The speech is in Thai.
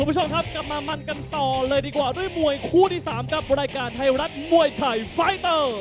ต่อมามันกันต่อเลยดีกว่าด้วยมวยคู่ที่๓กับรายการไทยรัฐมวยไทยไฟตเตอร์